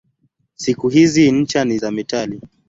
Siku hizi ncha ni za metali.